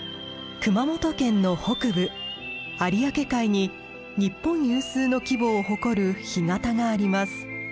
熊本県の北部有明海に日本有数の規模を誇る干潟があります。